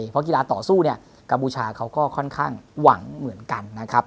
เพราะกีฬาต่อสู้เนี่ยกัมพูชาเขาก็ค่อนข้างหวังเหมือนกันนะครับ